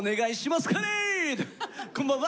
こんばんは！